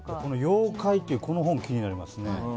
「妖怪」っていうこの本が気になりますね。